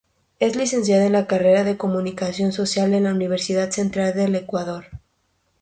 Es Licenciada en la carrera de Comunicación Social de la Universidad Central del Ecuador.